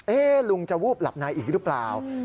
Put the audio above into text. ลุงจะวูบหลับในอีกหรือเปล่า